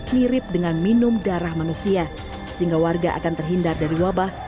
mirip dengan minum darah manusia sehingga warga akan terhindar dari wabah